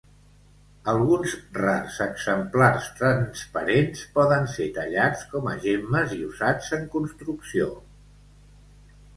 Alguns rars exemplars transparents poden ser tallats com a gemmes i usats en construcció.